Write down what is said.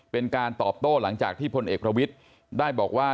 เป็นการตอบโต้หลังจากที่พลเอกประวิทย์ได้บอกว่า